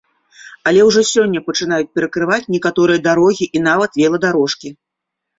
Але ўжо сёння пачынаюць перакрываць некаторыя дарогі і нават веладарожкі.